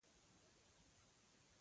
قران شریف یې پر بالښت اېښی و.